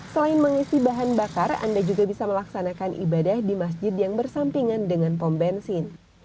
selain mengisi bahan bakar anda juga bisa melaksanakan ibadah di masjid yang bersampingan dengan pom bensin